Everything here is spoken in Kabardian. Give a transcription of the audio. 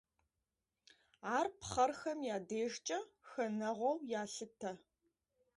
Ар пхъэрхэм я дежкӀэ хэнэгъуэу ялъытэ.